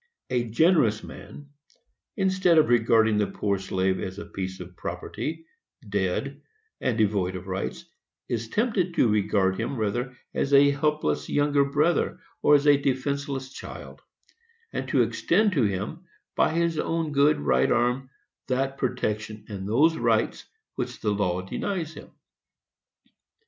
A generous man, instead of regarding the poor slave as a piece of property, dead, and void of rights, is tempted to regard him rather as a helpless younger brother, or as a defenceless child, and to extend to him, by his own good right arm, that protection and those rights which the law denies him.